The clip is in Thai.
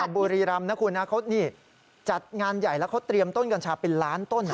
บุรีรำนะคุณนะเขานี่จัดงานใหญ่แล้วเขาเตรียมต้นกัญชาเป็นล้านต้น